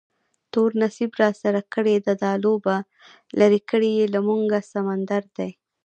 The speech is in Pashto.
تور نصیب راسره کړې ده دا لوبه، لرې کړی یې له موږه سمندر دی